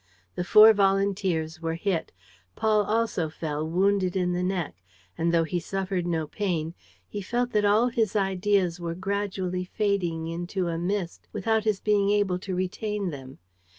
The four volunteers were hit. Paul also fell, wounded in the neck; and, though he suffered no pain, he felt that all his ideas were gradually fading into a mist without his being able to retain them.